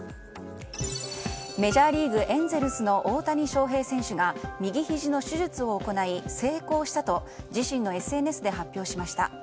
メジャーリーグエンゼルスの大谷翔平選手が右ひじの手術を行い、成功したと自身のＳＮＳで発表しました。